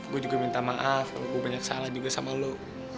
gua juga minta maaf kalo gua banyak salah juga sama lu